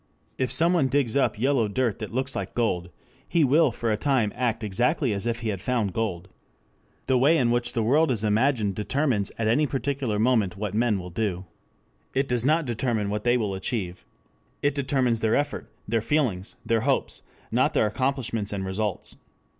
If someone digs up yellow dirt that looks like gold, he will for a time act exactly as if he had found gold. The way in which the world is imagined determines at any particular moment what men will do. It does not determine what they will achieve. It determines their effort, their feelings, their hopes, not their accomplishments and results.